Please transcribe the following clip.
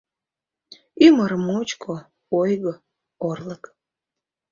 Ӱмыр мучко — ойго, орлык.